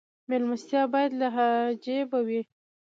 میلمستیا باید له جیبه وي